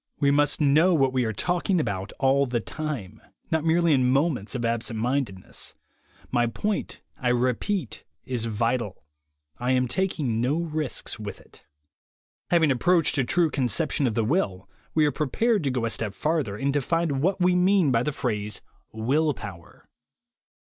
We must know what w T e are talking about all the time, not merely in moments of absent mindedness. My point, I repeat, is vital. I am taking no risks with it. Having approached a true conception of the will, we are prepared to go a step farther, and to find what we mean by the phrase "Will Power."